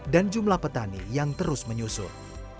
dan jumlah petani yang terus menyusut